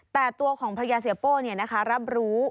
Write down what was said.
แต่ตัวของภรรยาเสียโป้รับรู้